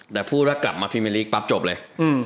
แต่พูดว่ากลับมาพรีเมอร์ลีกปั๊บจบเลย